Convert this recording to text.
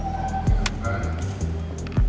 jalan nih pak